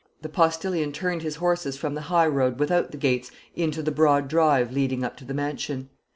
The postillion turned his horses from the highroad without the gates into the broad drive leading up to the mansion.